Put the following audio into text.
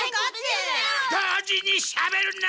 同時にしゃべるな！